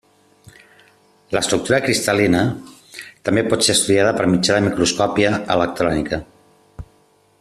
L'estructura cristal·lina també pot ser estudiada per mitjà de microscòpia electrònica.